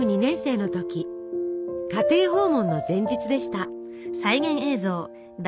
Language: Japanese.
家庭訪問の前日でした。